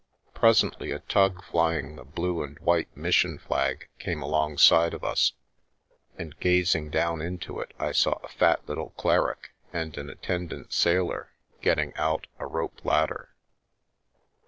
Presently a tug flying the blue and white mission flag came alongside of us, and gazing down into it I saw a fat little cleric and an attendant sailor getting out a rope ladder.